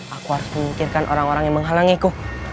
aku harus memikirkan orang orang yang menghalangiku